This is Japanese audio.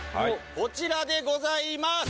こちらでございます